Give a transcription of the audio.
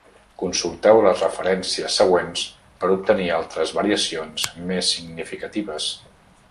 Consulteu les referències següents per obtenir altres variacions més significatives.